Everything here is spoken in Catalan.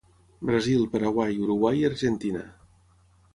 Brasil, Paraguai, Uruguai i Argentina.